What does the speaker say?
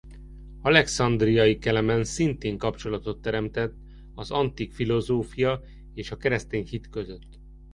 Alexandriai Kelemen szintén kapcsolatot teremtett az antik filozófia és a keresztény hit között.